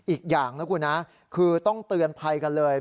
อีกอย่างนะครับคุณครับคือต้องเตือนไปกันเลย